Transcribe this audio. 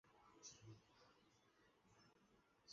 文久三年。